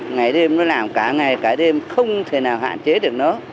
ngày đêm nó làm cả ngày cả đêm không thể nào hạn chế được nó